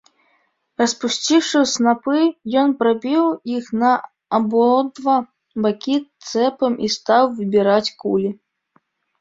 Распусціўшы снапы, ён прабіў іх на абодва бакі цэпам і стаў выбіраць кулі.